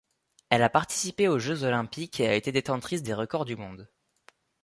Elle a participé aux Jeux Olympiques et a été détentrice de records du monde.